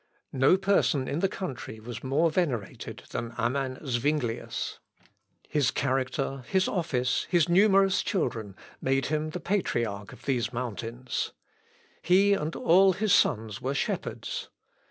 No person in the country was more venerated than amman Zuinglius. His character, his office, his numerous children, made him the patriarch of these mountains. He and all his sons were shepherds.